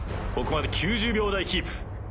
ここまで９０秒台キープ。